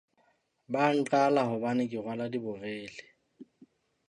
Ba a nqala hobane ke rwala diborele.